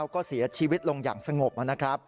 ก็เสียชีวิตลงอย่างสงบนะครับ